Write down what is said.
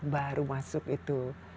baru masuk itu